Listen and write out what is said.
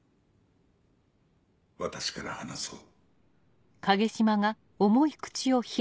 私から話そう。